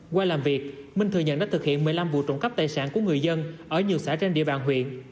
qua làm việc minh thừa nhận đã thực hiện một mươi năm vụ trộm cắp tài sản của người dân ở nhiều xã trên địa bàn huyện